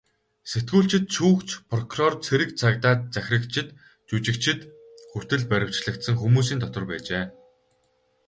Сэтгүүлчид, шүүгч, прокурор, цэрэг цагдаа, захирагчид, жүжигчид хүртэл баривчлагдсан хүмүүсийн дотор байжээ.